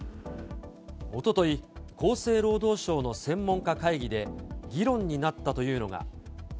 おととい、厚生労働省の専門家会議で議論になったというのが。